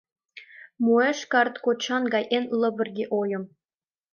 Муэш карт кочан гай эн лывырге ойым